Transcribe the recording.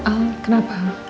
untuk al kenapa